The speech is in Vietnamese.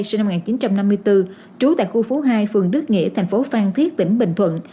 sinh năm một nghìn chín trăm năm mươi bốn trú tại khu phố hai phương đức nghĩa tp phan thiết tỉnh bình thuận